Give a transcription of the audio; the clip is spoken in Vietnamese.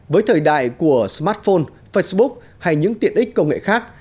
với thời đại của smartphone facebook hay những tiện ích công nghệ khác